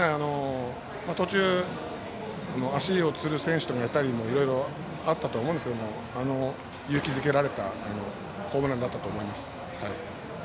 途中、足をつる選手がいたりとかいろいろあったと思うんですが勇気づけられたホームランだったと思います。